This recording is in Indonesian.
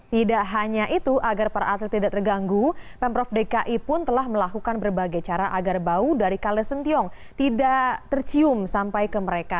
tidak hanya itu agar para atlet tidak terganggu pemprov dki pun telah melakukan berbagai cara agar bau dari kalesentiong tidak tercium sampai ke mereka